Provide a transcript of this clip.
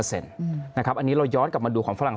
สิ่งที่ประชาชนอยากจะฟัง